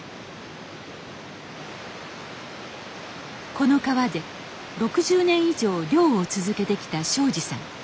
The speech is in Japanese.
この川で６０年以上漁を続けてきた省二さん。